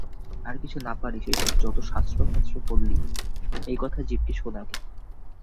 আর কিছু না পারিস, এইসব যত শাস্ত্র-ফাস্ত্র পড়লি, এর কথা জীবকে শোনাগে।